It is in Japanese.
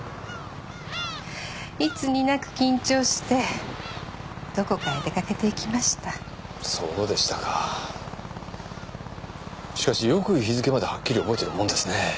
いつになく緊張してどこかへ出かけていきましたそうでしたかしかしよく日付まではっきり覚えてるもんですね